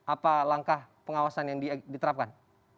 apa langkah pengawasan yang diterapkan